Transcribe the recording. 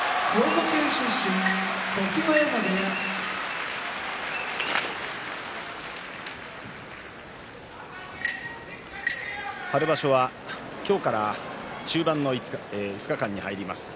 常盤山部屋春場所は今日から中盤の５日間に入ります。